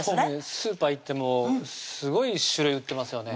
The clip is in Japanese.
スーパー行ってもすごい種類売ってますよね